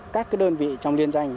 các đơn vị trong liên doanh